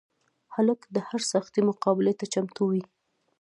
هلک د هر سختي مقابلې ته چمتو وي.